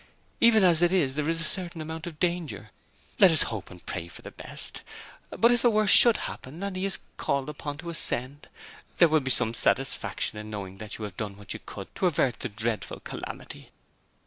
'Even as it is there is a certain amount of danger. Let us hope and pray for the best, but if the worst should happen and he is called upon to Ascend, there will be some satisfaction in knowing that you have done what you could to avert the dreadful calamity.'